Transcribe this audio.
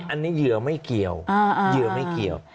อันนี้เหยื่อไม่เกี่ยว